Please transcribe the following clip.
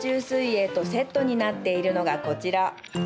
水泳とセットとなっているのが、こちら。